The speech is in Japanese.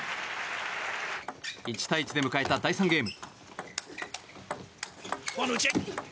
１対１で迎えた第３ゲーム。